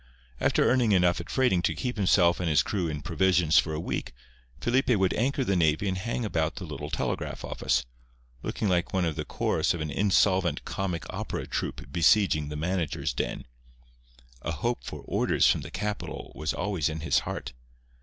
After earning enough at freighting to keep himself and his crew in provisions for a week Felipe would anchor the navy and hang about the little telegraph office, looking like one of the chorus of an insolvent comic opera troupe besieging the manager's den. A hope for orders from the capital was always in his heart.